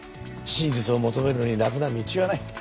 真実を求めるのに楽な道はない。